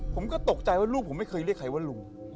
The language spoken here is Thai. ผมก็ตกใจว่าลูกผมไม่เคยเรียกใครว่าลุง